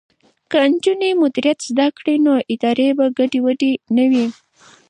که نجونې مدیریت زده کړي نو ادارې به ګډې وډې نه وي.